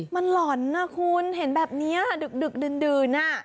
มันหล่อนนะคุณเห็นแบบนี้ดึกดื่น